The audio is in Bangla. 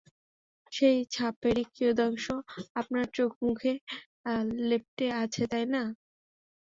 সেই ছাপেরই কিয়দংশ আপনার চোখেমুখে লেপ্টে আছে, তাই না?